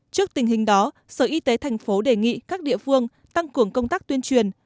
trước tình hình đó sở y tế thành phố đề nghị các địa phương tăng cường công tác tuyên truyền